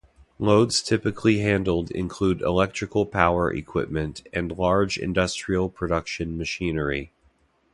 Loads typically handled include electrical power equipment and large industrial production machinery.